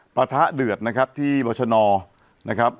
ประทะเดือดนะครับที่บรชนนะครับ